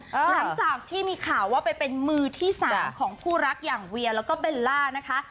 หลังจากที่มีข่าวว่าไปเป็นมือที่สามของคู่รักอย่างเวียแล้วก็เบลล่านะคะ